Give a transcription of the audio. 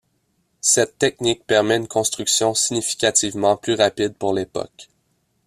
Cette technique permet une construction significativement plus rapide pour l'époque.